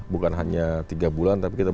bukan hanya tiga bulan tapi kita